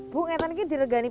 buk ini bagaimana